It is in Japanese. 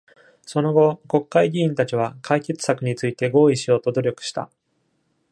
その後、国会議員たちは解決策について合意しようと努力した。